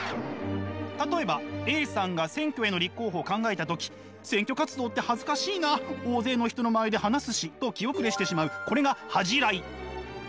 例えばＡさんが選挙への立候補を考えた時選挙活動って恥ずかしいな大勢の人の前で話すし。と気後れしてしまうこれが恥じらい。